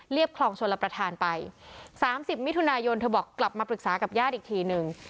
คลองชลประธานไป๓๐มิถุนายนเธอบอกกลับมาปรึกษากับญาติอีกทีนึง